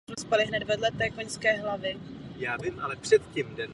Potřebujeme odvážné předpisy, které budou svědomitě uplatňovány.